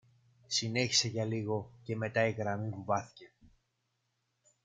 Συνέχισε για λίγο και μετά η γραμμή βουβάθηκε